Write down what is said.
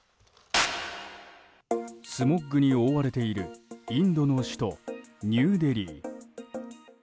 スモッグに覆われているインドの首都ニューデリー。